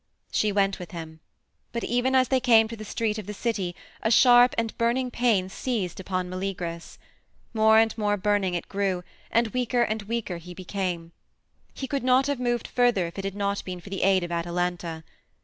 She went with him. But even as they came to the street of the city a sharp and a burning pain seized upon Meleagrus. More and more burning it grew, and weaker and weaker he became. He could not have moved further if it had not been for the aid of Atalanta.